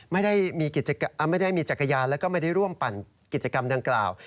ไม่ได้มีจักรยานแล้วก็ไม่ได้ร่วมปั่นกิจกรรมดังกล่าว